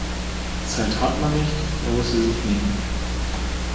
Zeit hat man nicht, man muss sie sich nehmen.